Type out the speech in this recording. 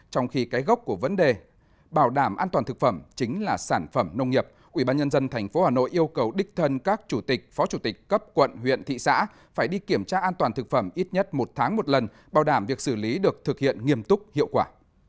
trong khi cái gốc của vấn đề bảo đảm an toàn thực phẩm chính là sản phẩm nông nghiệp ubnd tp hà nội yêu cầu đích thân các chủ tịch phó chủ tịch cấp quận huyện thị xã phải đi kiểm tra an toàn thực phẩm ít nhất một tháng một lần bảo đảm việc xử lý được thực hiện nghiêm túc hiệu quả